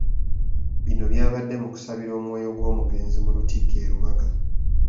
Bino byabadde mu kusabira omwoyo gw'omugenzi mu lutikko e Lubaga.